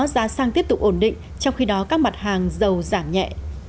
giá xăng tiếp tục ổn định trong khi đó các mặt hàng dầu giảm nhẹ